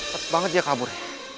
cepet banget dia kabur